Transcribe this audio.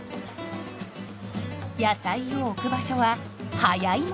野菜を置く場所は早い者勝ち。